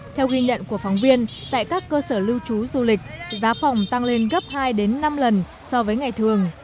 theo ghi nhận của phóng viên tại các cơ sở lưu trú du lịch giá phòng tăng lên gấp hai năm lần so với ngày thường